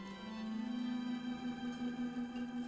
setiap senulun buat